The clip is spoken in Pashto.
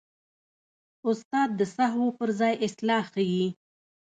استاد د سهوو پر ځای اصلاح ښيي.